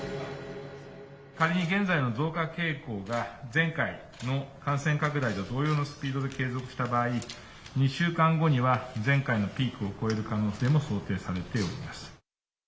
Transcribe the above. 仮に現在の増加傾向が、前回の感染拡大と同様のスピードで継続した場合、２週間後には前回のピークを超える可能性も想定されております。